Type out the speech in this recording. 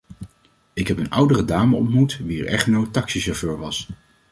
Ik heb een oudere dame ontmoet wier echtgenoot taxichauffeur was.